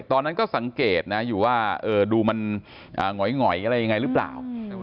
ตอนนั้นก็สังเกตนะอยู่ว่าดูมันหงอยอะไรยังไงหรือเปล่า